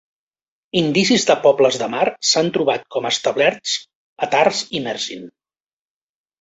Indicis de pobles de mar s'han trobat com establerts a Tars i Mersin.